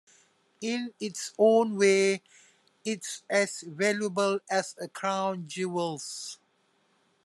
In its own way, it's as valuable as the Crown Jewels.